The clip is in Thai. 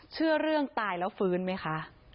เชื่อเรื่องตายแล้วฟื้นไหมคะ